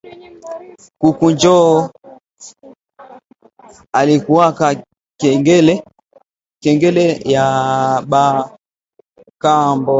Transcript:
Kuku njo alikuwaka kengele ya ba kambo zamani za kale